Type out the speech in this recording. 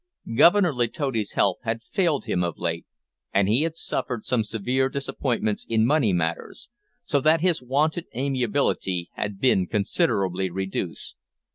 Governor Letotti's health had failed him of late, and he had suffered some severe disappointments in money matters, so that his wonted amiability had been considerably reduced.